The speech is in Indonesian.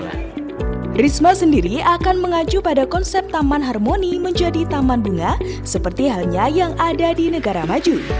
trisma sendiri akan mengacu pada konsep taman harmoni menjadi taman bunga seperti halnya yang ada di negara maju